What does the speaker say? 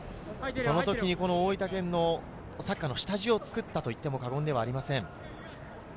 その時に大分県のサッカーの下地を作ったといっても過言ではありません。